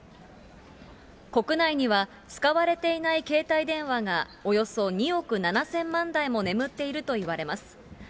国内には、使われていない携帯電話がおよそ２億７０００万台も眠っているといわれます。